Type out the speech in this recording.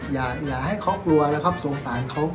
อย่าให้เขากลัวแล้วครับสงสารเขา